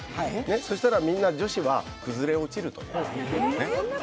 そしたらみんな女子は崩れ落ちるというね。